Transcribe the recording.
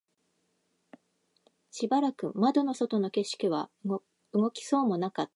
しばらく窓の外の景色は動きそうもなかった